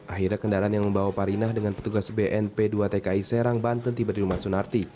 akhirnya kendaraan yang membawa parinah dengan petugas bnp dua tki serang banten tiba di rumah sunarti